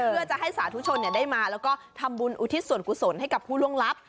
เพื่อจะให้สาธุชนได้มาแล้วก็ทำบุญอุทิศส่วนกุศลให้กับผู้ล่วงลับ